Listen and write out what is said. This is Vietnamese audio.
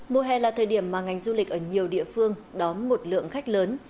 đây là thời điểm mà ngành du lịch ở nhiều địa phương đón một lượng khách lớn